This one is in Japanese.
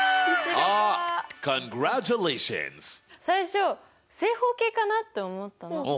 最初正方形かなって思ったの。